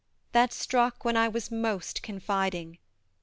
that struck when I was most confiding.